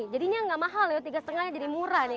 jadinya gak mahal ya tiga setengahnya jadi murah nih